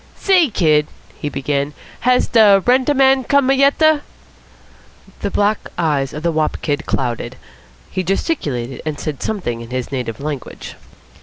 "Say, kid," he began, "has da rent a man come yet a?" The black eyes of the wop kid clouded. He gesticulated, and said something in his native language.